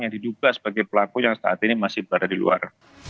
yang diduga sebagai pelaku yang saat ini masih berada di luar